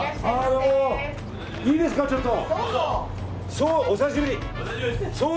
いいですか、ちょっと。